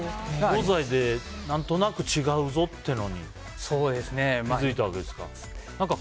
東西で何となく違うぞっていうのに気づいたわけですか。